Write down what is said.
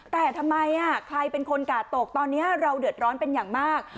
แต่ทำไมใครเป็นคนกาดตกตอนนี้เราเดือดร้อนเป็นอย่างมาก